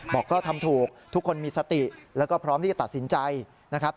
บอกก็ทำถูกทุกคนมีสติแล้วก็พร้อมที่จะตัดสินใจนะครับ